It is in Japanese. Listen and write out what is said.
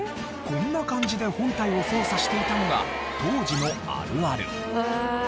こんな感じで本体を操作していたのが当時のあるある。